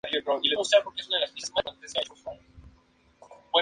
Tiene su sede en Salem.